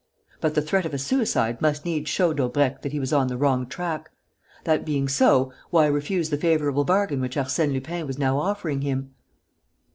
But the threat of a suicide must needs show Daubrecq that he was on the wrong track. That being so, why refuse the favourable bargain which Arsène Lupin was now offering him?